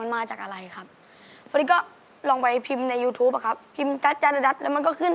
จ๊าจ๊าดาดันจ๊าจ๊าจ๊าดาดัน